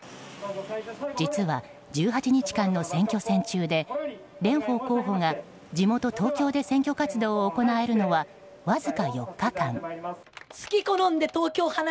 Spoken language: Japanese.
実は、１８日間の選挙戦中で蓮舫候補が地元・東京で選挙活動を行えるのはわずか４日間。